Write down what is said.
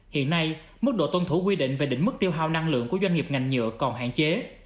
hiện nay mức độ tuân thủ quy định về định mức tiêu hào năng lượng của doanh nghiệp ngành nhựa còn hạn chế